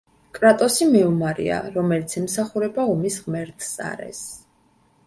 კრატოსი მეომარია, რომელიც ემსახურება ომის ღმერთს, არესს.